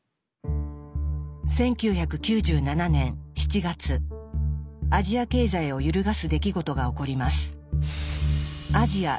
１９９７年７月アジア経済を揺るがす出来事が起こります。